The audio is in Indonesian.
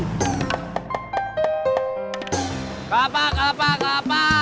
kelapa kelapa kelapa